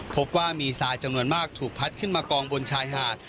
พบว่ามีทรายจำนวนมากถูกพัดขึ้นมากองบนชายหาด